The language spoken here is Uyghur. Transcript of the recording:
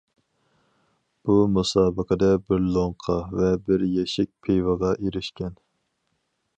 بۇ مۇسابىقىدە بىر لوڭقا ۋە بىر يەشىك پىۋىغا ئېرىشكەن.